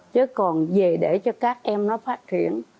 chứ còn về để cho các em nó phát triển